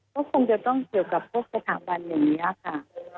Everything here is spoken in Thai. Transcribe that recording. ก็คงจะต้องเกี่ยวกับพวกสถาบันอย่างนี้ค่ะ